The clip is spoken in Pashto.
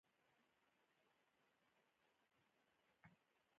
احمد د خپل پلار په پله پسې ځي.